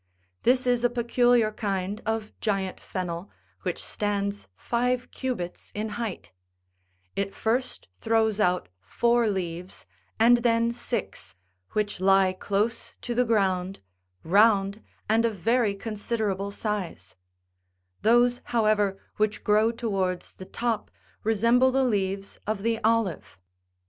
This is a peculiar kind of giant fennel, which stands live cubits in height : it first throws out four leaves, and then six, which lie close to the ground, round, and of very considerable size ; those, however, which grow towards the top resemble the leaves of the olive.